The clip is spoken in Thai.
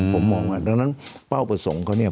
ผมมองว่าดังนั้นเป้าประสงค์เขาเนี่ย